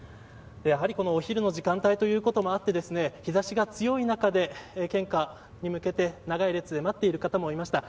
お昼の時間帯ということもあって日差しが強い中で、献花に向けて長い列で待っている方もいました。